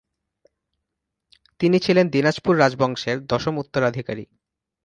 তিনি ছিলেন দিনাজপুর রাজবংশের দশম উত্তরাধিকারী।